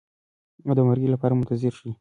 او د مرکې لپاره منتظر شئ.